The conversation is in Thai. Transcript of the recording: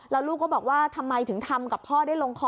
แล้วลูกก็บอกว่าทำไมถึงทำกับพ่อได้ลงคอ